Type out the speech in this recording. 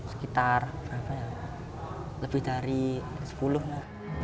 sekitar berapa ya lebih dari sepuluh lah